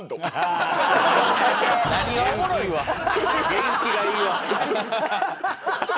元気がいいわ。